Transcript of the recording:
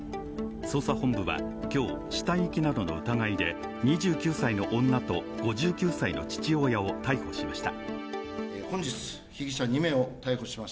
捜査本部は今日、死体遺棄などの疑いで２９歳の女と５９歳の父親を逮捕しました。